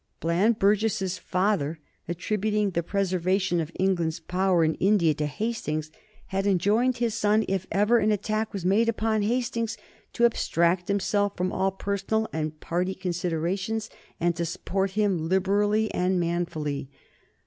Bland Burges's father, attributing the preservation of England's power in India to Hastings, had enjoined his son, if ever an attack were made upon Hastings, to abstract himself from all personal and party considerations and to support him liberally and manfully.